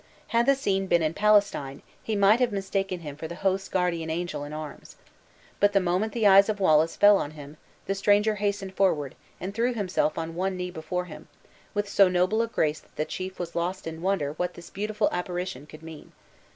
Had the scene been in Palestine, he might have mistaken him for the host's guardian angel in arms. But the moment the eyes of Wallace fell on him, the stranger hastened forward, and threw himself on one knee before him, with so noble a grace that the chief was lost in wonder what this beautiful apparition could mean.